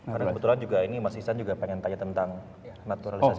karena kebetulan juga ini mas isan juga pengen tanya tentang naturalisasi